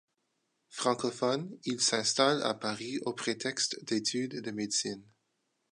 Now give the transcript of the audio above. Francophone, il s'installe à Paris au prétexte d'études de médecine.